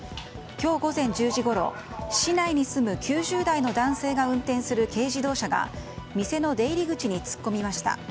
今日午前１０時ごろ市内に住む９０代の男性が運転する軽自動車が店の出入り口に突っ込みました。